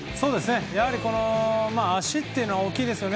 やはり足っていうのは大きいですよね。